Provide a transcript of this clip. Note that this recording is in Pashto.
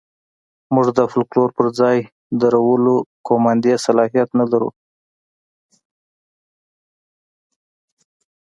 موږ د فوکلور پر ځای درولو قوماندې صلاحیت نه لرو.